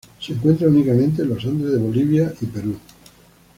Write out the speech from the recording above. Se encuentra únicamente en los Andes de Bolivia y Perú.